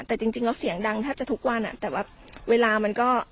แต่จริงแล้วเสียงดังแทบจะทุกวันแต่ว่าเวลามันก็